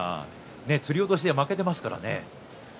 つり落としで負けていますからね。